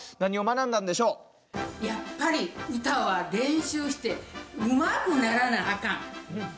やっぱり歌は練習してうまくならなあかん。